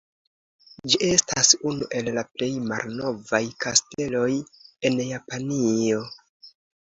Ĝi estas unu el la plej malnovaj kasteloj en Japanio.